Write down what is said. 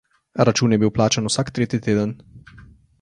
Račun je bil plačan vsak tretji teden.